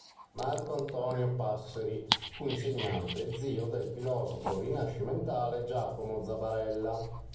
Marco Antonio Passeri fu insegnante e zio del filosofo rinascimentale Giacomo Zabarella.